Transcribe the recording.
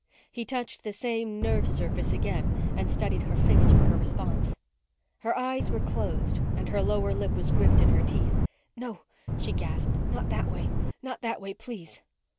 He touched the same nerve surface again and studied her face for the response. Her eyes were closed and her lower lip was gripped in her teeth. "No," she gasped. "Not that way. Not that way please."